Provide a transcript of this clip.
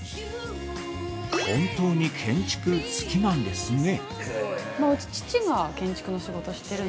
◆本当に建築、好きなんですね。